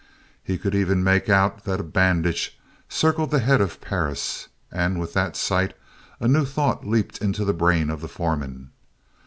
He could even make out that a bandage circled the head of Perris and with that sight a new thought leaped into the brain of the foreman.